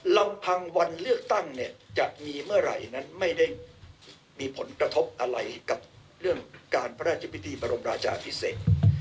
ลำพังวันเลือกตั้งเนี่ยจะมีเมื่อไหร่นั้นไม่ได้มีผลกระทบอะไรกับเรื่องการพระราชพิธีบรมราชาพิเศษ